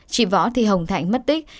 chị võ thị hồng thạnh mất tích